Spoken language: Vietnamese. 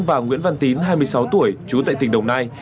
và nguyễn văn tín hai mươi sáu tuổi trú tại tỉnh đồng nai